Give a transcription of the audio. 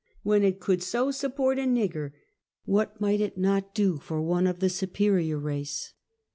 When it could so support a nigger, what might it not do for one of the superior race